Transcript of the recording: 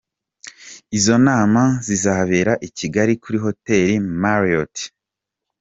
Izo nama zizabera i Kigali kuri Hoteli Marriot.